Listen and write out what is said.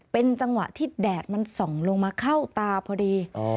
เป็นจังหวะที่แดดมันส่องลงมาเข้าตาพอดี